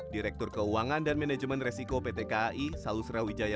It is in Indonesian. direktur keuangan dan manajemen resiko pt kai salus rawijaya